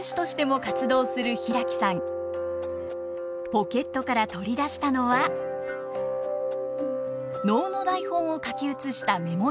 ポケットから取り出したのは能の台本を書き写したメモ用紙。